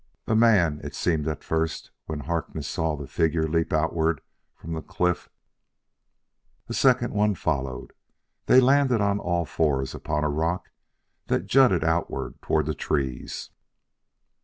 A man it seemed at first, when Harkness saw the figure leap outward from the cliff. A second one followed. They landed on all fours upon a rock that jutted outward toward the trees.